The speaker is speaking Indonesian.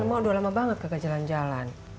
kan emak udah lama banget kagak jalan jalan